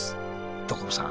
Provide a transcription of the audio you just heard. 所さん！